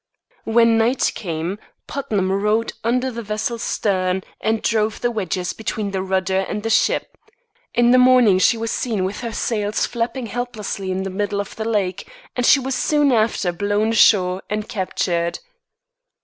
When night came, Putnam rowed under the vessel's stern, and drove the wedges between the rudder and the ship. In the morning she was seen with her sails flapping helplessly in the middle of the lake, and she was soon after blown ashore and captured.